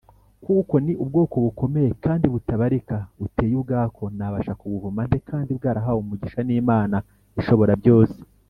Kuko ni ubwoko bukomeye kandi butabarika buteye ubwako nabasha kubuvuma nte kandi bwarahawe umugisha n’Imana ishoborabyose.